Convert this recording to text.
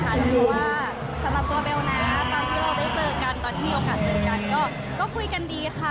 หรือว่าสำหรับตัวเบลนะตอนที่เราได้เจอกันตอนที่มีโอกาสเจอกันก็คุยกันดีค่ะ